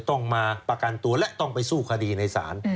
ต้องมาประกันตัวและต้องไปสู้คดีในศาล